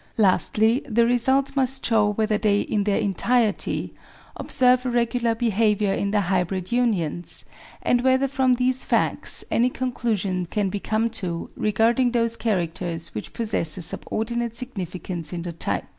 Lastly, the result must show whether they, in their entirety, observe a regular behaviour in their hybrid unions, and whether from these facts any conclusion can be come to re garding those characters which possess a subordinate significance in the type.